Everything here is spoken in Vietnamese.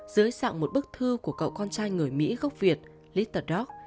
giới sạng một bức thư của cậu con trai người mỹ gốc việt little dog